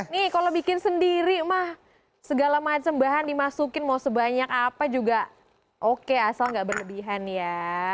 nih kalau bikin sendiri mah segala macam bahan dimasukin mau sebanyak apa juga oke asal nggak berlebihan ya